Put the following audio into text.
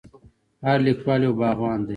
هر لیکوال یو باغوان دی.